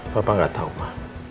papa nggak tahu ma